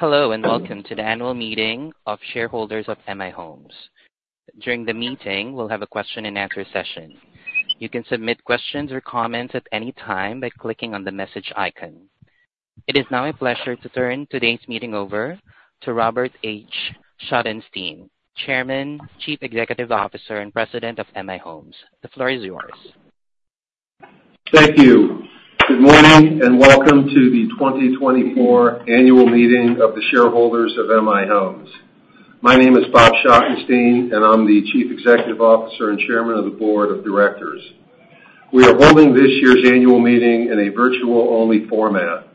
Hello and welcome to the annual meeting of shareholders of M/I Homes. During the meeting, we'll have a question-and-answer session. You can submit questions or comments at any time by clicking on the message icon. It is now a pleasure to turn today's meeting over to Robert H. Schottenstein, Chairman, Chief Executive Officer, and President of M/I Homes. The floor is yours. Thank you. Good morning and welcome to the 2024 annual meeting of the shareholders of M/I Homes. My name is Bob Schottenstein, and I'm the Chief Executive Officer and Chairman of the Board of Directors. We are holding this year's annual meeting in a virtual-only format.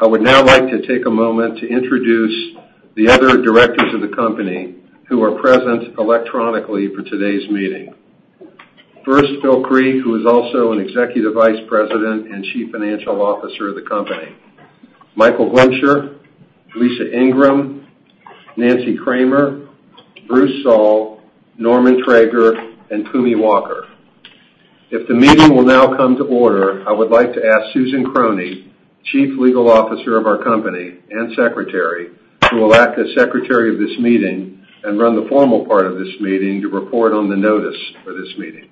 I would now like to take a moment to introduce the other directors of the company who are present electronically for today's meeting. First, Phillip Creek, who is also an Executive Vice President and Chief Financial Officer of the company, Michael Glimsher, Lisa Ingram, Nancy Kramer, Bruce Soll, Norman Traeger, and Kumi Walker. If the meeting will now come to order, I would like to ask Susan Krohne, Chief Legal Officer of our company and Secretary, who will act as Secretary of this meeting and run the formal part of this meeting, to report on the notice for this meeting.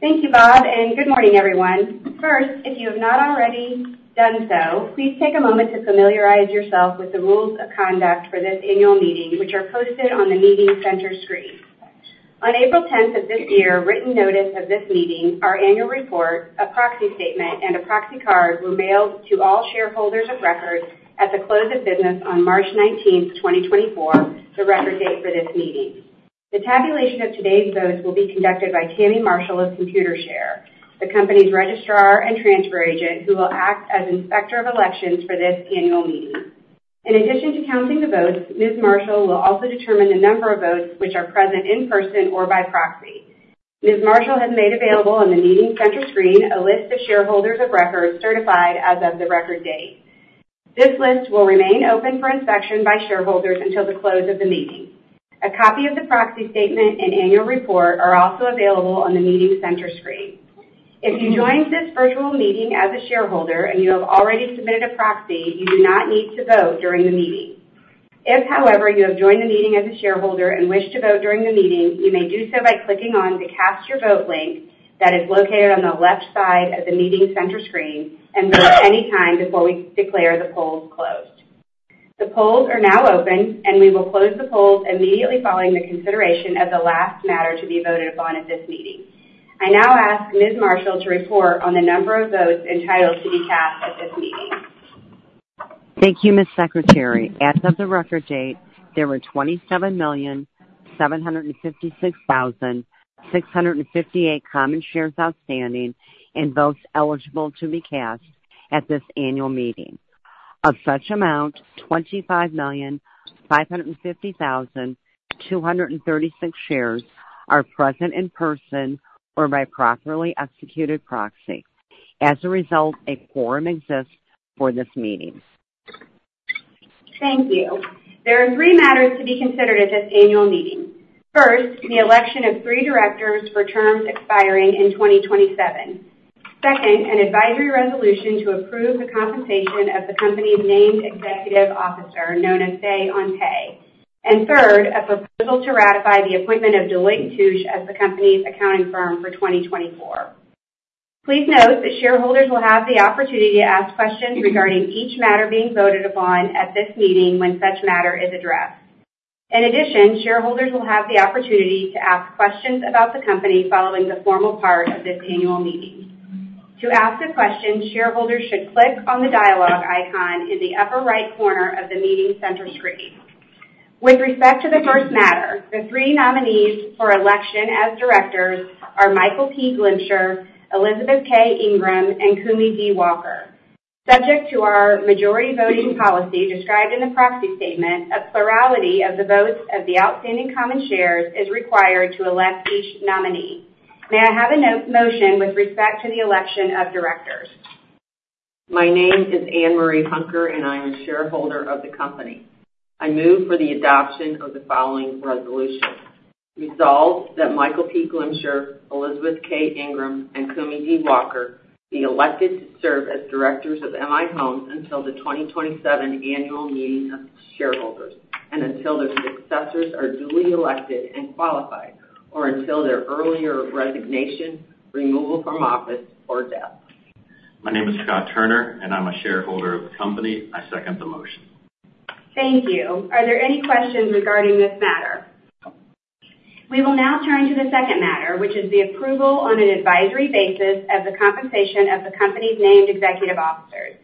Thank you, Bob, and good morning, everyone. First, if you have not already done so, please take a moment to familiarize yourself with the rules of conduct for this annual meeting, which are posted on the meeting center screen. On April 10th of this year, written notice of this meeting, our annual report, a proxy statement, and a proxy card were mailed to all shareholders of record at the close of business on March 19th, 2024, the record date for this meeting. The tabulation of today's votes will be conducted by Tammy Marshall of Computershare, the company's registrar and transfer agent who will act as Inspector of Elections for this annual meeting. In addition to counting the votes, Ms. Marshall will also determine the number of votes which are present in person or by proxy. Ms. Marshall has made available on the meeting center screen a list of shareholders of record certified as of the Record Date. This list will remain open for inspection by shareholders until the close of the meeting. A copy of the Proxy Statement and Annual Report are also available on the meeting center screen. If you joined this virtual meeting as a shareholder and you have already submitted a proxy, you do not need to vote during the meeting. If, however, you have joined the meeting as a shareholder and wish to vote during the meeting, you may do so by clicking on the cast your vote link that is located on the left side of the meeting center screen and vote anytime before we declare the polls closed. The polls are now open, and we will close the polls immediately following the consideration of the last matter to be voted upon at this meeting. I now ask Ms. Marshall to report on the number of votes entitled to be cast at this meeting. Thank you, Ms. Secretary. As of the record date, there were 27,756,658 common shares outstanding and votes eligible to be cast at this annual meeting. Of such amount, 25,550,236 shares are present in person or by properly executed proxy. As a result, a quorum exists for this meeting. Thank you. There are three matters to be considered at this annual meeting. First, the election of three directors for terms expiring in 2027. Second, an advisory resolution to approve the compensation of the company's named executive officer, known as Say-on-Pay. And third, a proposal to ratify the appointment of Deloitte & Touche as the company's accounting firm for 2024. Please note that shareholders will have the opportunity to ask questions regarding each matter being voted upon at this meeting when such matter is addressed. In addition, shareholders will have the opportunity to ask questions about the company following the formal part of this annual meeting. To ask a question, shareholders should click on the dialogue icon in the upper right corner of the meeting center screen. With respect to the first matter, the three nominees for election as directors are Michael Glimsher, Elizabeth Ingram. Ingram, and Kumi Walker. Subject to our majority voting policy described in the proxy statement, a plurality of the votes of the outstanding common shares is required to elect each nominee. May I have a motion with respect to the election of directors? My name is Ann Marie Hunker, and I am a shareholder of the company. I move for the adoption of the following resolution: Resolve that Michael P. Glimsher, Elizabeth K. Ingram, and Kumi D. Walker be elected to serve as directors of M/I Homes until the 2027 annual meeting of shareholders and until their successors are duly elected and qualified, or until their earlier resignation, removal from office, or death. My name is Scott Turner, and I'm a shareholder of the company. I second the motion. Thank you. Are there any questions regarding this matter? We will now turn to the second matter, which is the approval on an advisory basis of the compensation of the company's named executive officers.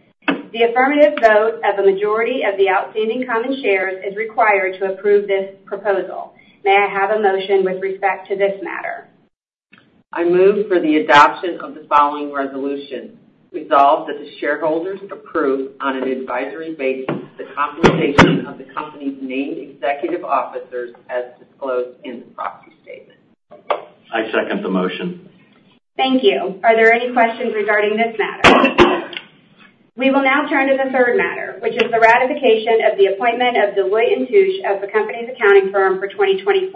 The affirmative vote of a majority of the outstanding common shares is required to approve this proposal. May I have a motion with respect to this matter? I move for the adoption of the following resolution: Resolve that the shareholders approve on an advisory basis the compensation of the company's named executive officers as disclosed in the proxy statement. I second the motion. Thank you. Are there any questions regarding this matter? We will now turn to the third matter, which is the ratification of the appointment of Deloitte & Touche as the company's accounting firm for 2024.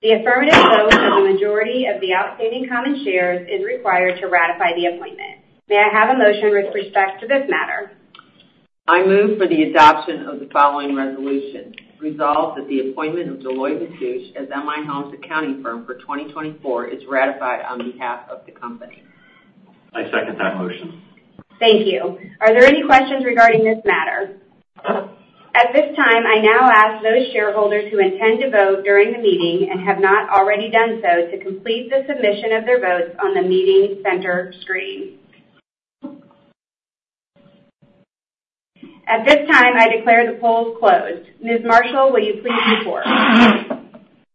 The affirmative vote of a majority of the outstanding common shares is required to ratify the appointment. May I have a motion with respect to this matter? I move for the adoption of the following resolution: Resolve that the appointment of Deloitte & Touche as M/I Homes accounting firm for 2024 is ratified on behalf of the company. I second that motion. Thank you. Are there any questions regarding this matter? At this time, I now ask those shareholders who intend to vote during the meeting and have not already done so to complete the submission of their votes on the meeting center screen. At this time, I declare the polls closed. Ms. Marshall, will you please report?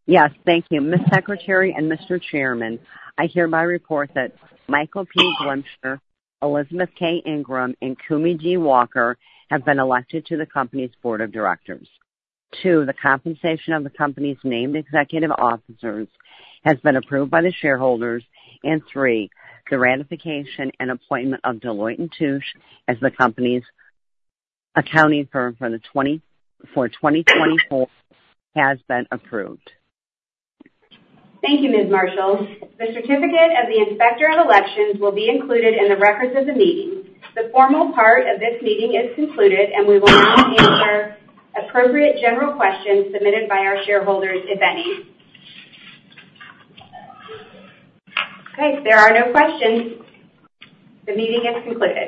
Yes, thank you. Ms. Secretary and Mr. Chairman, I hereby report that Michael P. Glimsher, Elizabeth K. Ingram, and Pumi D. Walker have been elected to the company's board of directors. two, the compensation of the company's named executive officers has been approved by the shareholders. And three, the ratification and appointment of Deloitte & Touche as the company's accounting firm for 2024 has been approved. Thank you, Ms. Marshall. The certificate of the Inspector of Elections will be included in the records of the meeting. The formal part of this meeting is concluded, and we will now answer appropriate general questions submitted by our shareholders, if any. Okay. There are no questions. The meeting is concluded.